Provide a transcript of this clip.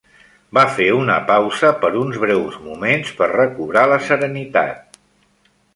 Va fer una pausa per uns breus moments per recobrar la serenitat.